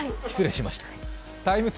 失礼しました。